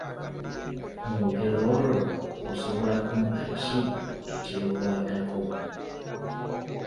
Mu lugero olwo osobola kumpa ki ekirukwatako?